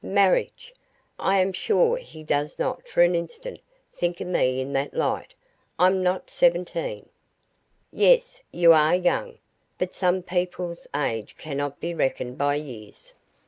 Marriage! I am sure he does not for an instant think of me in that light. I'm not seventeen." "Yes, you are young, but some people's age cannot be reckoned by years.